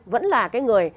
vẫn là cái người